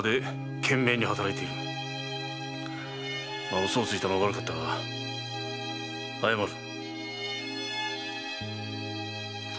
まあ嘘をついたのは悪かったが謝る。